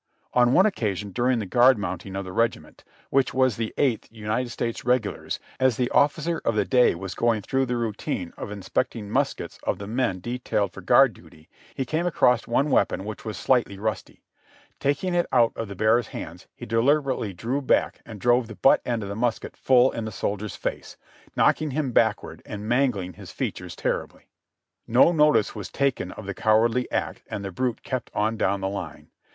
On one occasion during the guard mounting of the regiment. SIGHTS AND SCENES IN PRISON 201 which was the Eighth United States Regulars, as the officer of the day was going through the routine of inspecting muskets of the men detailed for guard duty, he came across one weapon which was slightly rusty; taking it out of the bearer's hands he deliberately drew back and drove the butt end of the musket full in the soldier's face, knocking him backward and mangling his features terribly. « No notice was taken of the cowardly act and the brute kept on down the line.